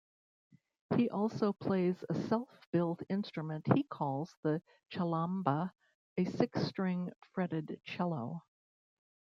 He also plays a self-built instrument he calls the cellamba, a six-string, fretted cello.